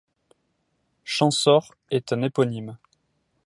Champsaur et un éponyme.